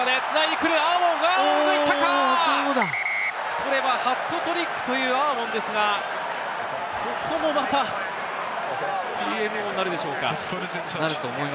これは決めればハットトリックというアーウォンですが、ここもまたＴＭＯになるでしょうか。